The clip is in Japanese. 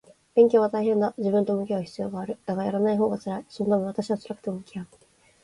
勉強は大変だ。自分と向き合う必要がある。だが、やらないほうが辛い。そのため私は辛くても向き合う